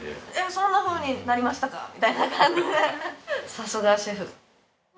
さすがシェフ。